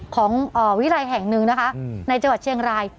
ของวิรัยแห่งหนึ่งนะคะในจังหวัดเชียงราย